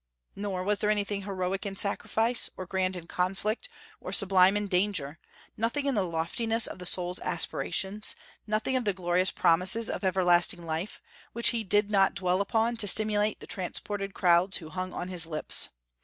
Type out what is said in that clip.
Nor was there anything heroic in sacrifice, or grand in conflict, or sublime in danger, nothing in the loftiness of the soul's aspirations, nothing of the glorious promises of everlasting life, which he did not dwell upon to stimulate the transported crowds who hung upon his lips.